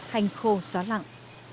hành khô xóa lặng